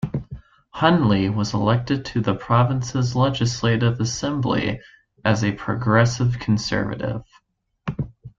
Hunley was elected to the province's legislative assembly as a Progressive Conservative.